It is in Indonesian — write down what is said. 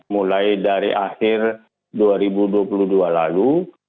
mulai dari akhir dua ribu dua puluh dua lalu